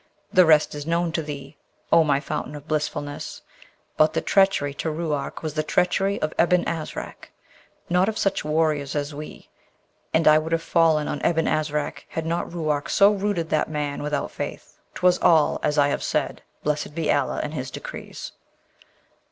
The rest is known to thee, O my fountain of blissfulness! but the treachery to Ruark was the treachery of Ebn Asrac, not of such warriors as we; and I would have fallen on Ebn Asrac, had not Ruark so routed that man without faith. 'Twas all as I have said, blessed be Allah and his decrees!'